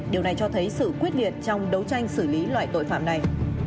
điều này cho thấy sự quyết liệt trong đấu tranh xử lý loại tội phạm này